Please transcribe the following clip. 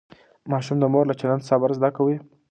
ماشوم د مور له چلند صبر زده کوي.